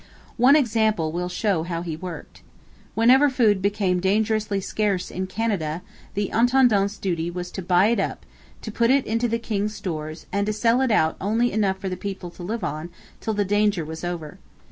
One example will show how he worked. Whenever food became dangerously scarce in Canada the intendant's duty was to buy it up, to put it into the king's stores, and to sell out only enough for the people to live on till the danger was over.